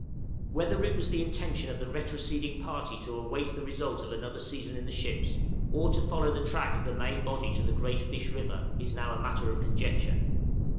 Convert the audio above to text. Whether it was the intention of the retroceding party to await the result of another season in the ships, or to follow the track of the main body to the Great Fish River, is now a matter of conjecture.